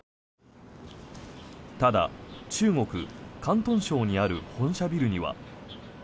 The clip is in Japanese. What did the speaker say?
ただ、中国・広東省にある本社ビルには。